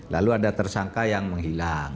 lalu ada tersangka yang menghilang